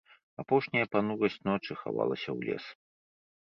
Апошняя панурасць ночы хавалася ў лес.